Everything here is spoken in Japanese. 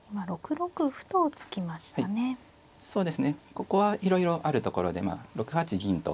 ここはいろいろあるところで６八銀と。